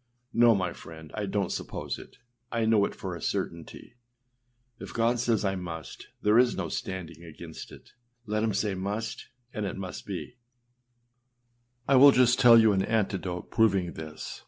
â No, my friend, I donât suppose it; I know it for a certainty. If God says âI must,â there is no standing against it. Let him say âmust,â and it must be. I will just tell you an anecdote proving this.